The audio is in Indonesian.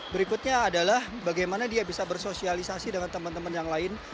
berikutnya adalah bagaimana dia bisa bersosialisasi dengan teman teman yang lain